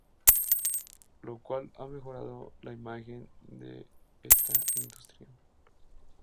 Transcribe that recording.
Lo cual ha mejorado la imagen de esta industria.